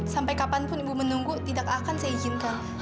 sampai kapanpun ibu menunggu tidak akan saya izinkan